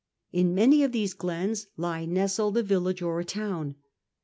In many of these glens lies nestled a village or a town.